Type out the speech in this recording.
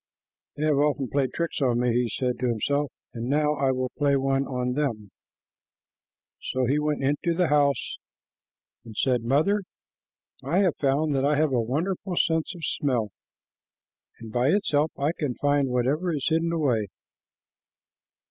"They have often played tricks on me," he said to himself, "and now I will play one on them." So he went into the house and said, "Mother, I have found that I have a wonderful sense of smell, and by its help I can find whatever is hidden away."